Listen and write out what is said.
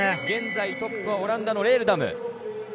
現在トップはオランダのレールダム。